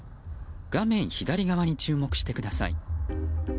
画面左側に注目してください。